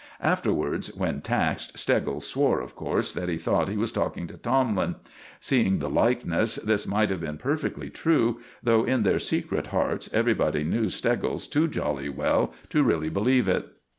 Afterwards, when taxed, Steggles swore, of course, that he thought he was talking to Tomlin. Seeing the likeness, this might have been perfectly true, though in their secret hearts everybody knew Steggles too jolly well to really believe it.